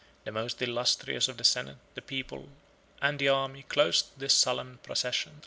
80 The most illustrious of the senate, the people, and the army, closed the solemn procession.